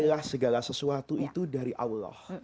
inilah segala sesuatu itu dari allah